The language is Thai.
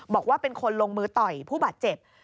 บอกว่าเป็นคนลงมือต่อยผู้บาดเจ็บ